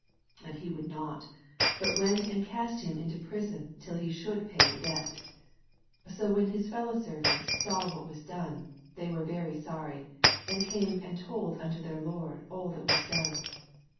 80 And he would not: but went and cast him into prison till he should pay the debt. 81 So when his fellow servaats saw what was done, they were very sorry, and came and told unto their lord all that was done.